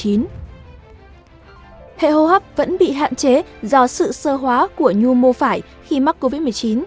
hệ hô hấp vẫn bị hạn chế do sự sơ hóa của nhu mô phải khi mắc covid một mươi chín